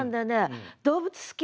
動物好き？